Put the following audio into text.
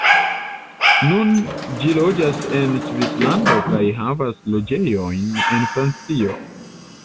Nun li loĝas en Svislando kaj havas loĝejojn en Francio.